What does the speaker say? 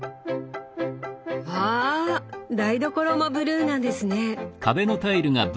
わ台所もブルーなんですね！